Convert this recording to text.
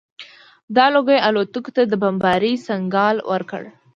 دا لوګي الوتکو ته د بمبارۍ سګنال ورکړ